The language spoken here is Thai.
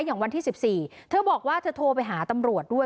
อย่างวันที่๑๔เธอบอกว่าเธอโทรไปหาตำรวจด้วย